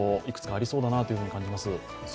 いくつかありそうだと感じます。